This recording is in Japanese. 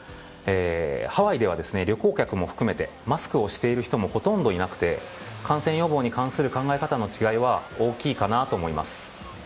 ハワイでは旅行客も含めてマスクをしている人もほとんどいなくて感染予防に関する考え方の違いは大きいかなと思います。